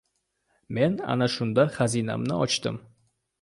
Men ana shunda xazinamni ochdim!